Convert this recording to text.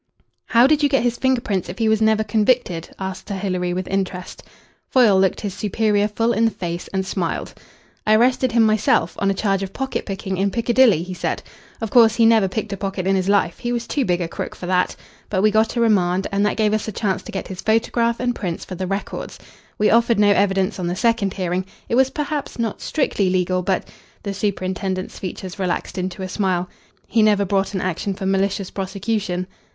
"How did you get his finger prints if he was never convicted?" asked Sir Hilary with interest. Foyle looked his superior full in the face and smiled. "I arrested him myself, on a charge of pocket picking in Piccadilly," he said. "Of course, he never picked a pocket in his life he was too big a crook for that. But we got a remand, and that gave us a chance to get his photograph and prints for the records. We offered no evidence on the second hearing. It was perhaps not strictly legal, but " The superintendent's features relaxed into a smile. "He never brought an action for malicious prosecution."